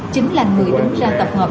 chính là người đứng ra tập hợp